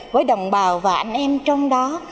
với đồng bào và anh em trong đó